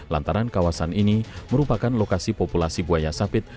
lantaran kawasan ini merupakan lokasi populasi buaya sapit